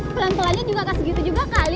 pelan pelannya juga kasih gitu juga kali